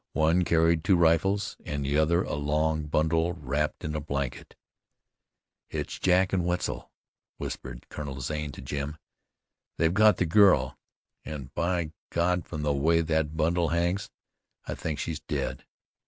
One carried two rifles, and the other a long bundle wrapped in a blanket. "It's Jack and Wetzel," whispered Colonel Zane to Jim. "They've got the girl, and by God! from the way that bundle hangs, I think she's dead.